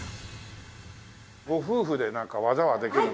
ご夫婦でなんか技はできるの？